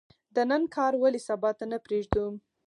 د نن کار ولې سبا ته نه پریږدو؟